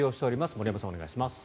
森山さん、お願いします。